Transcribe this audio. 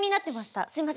すみません。